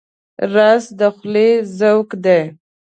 رس د خولې ذوق دی